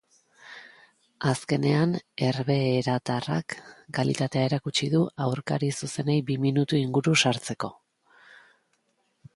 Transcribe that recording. Azkenean, herbeheratarrak kalitatea erakutsi du aurkari zuzenei bi minutu inguru sartzeko.